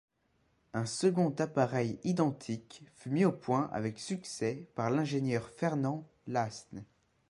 Un second appareil, identique, fut mis au point avec succès par l'ingénieur Fernand Lasne.